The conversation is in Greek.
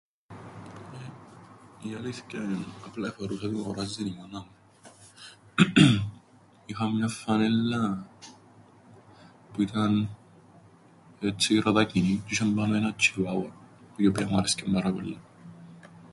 Η αλήθκεια εν' απλά εφορούσα ό,τι μου εγόραζεν η μάνα μου. Είχα μιαν φανέλλαν που ήταν έτσι ροδακινίν, τζ̆' είσ̆εν πάνω έναν τσ̆ιουάουα, η οποία μου άρεσκεν πάρα πολλά.